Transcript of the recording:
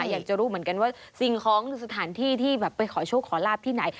อยากจะรู้เหมือนกันว่าสิ่งของหรือสถานที่ที่แบบไปขอโชคขอลาบที่ไหน